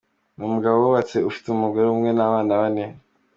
Ni umugabo wubatse ufite umugore umwe n’abana bane.